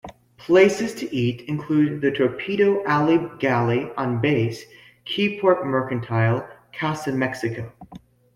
Places to eat include the Torpedo Alley Galley on base, Keyport Mercantile, Casa Mexico.